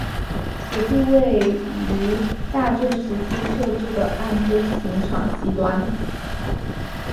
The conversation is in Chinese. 此地位于大正时期设置的岸飞行场西端。